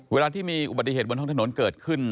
เวลาที่มีอุบัติเหตุบนท้องถนนเกิดขึ้น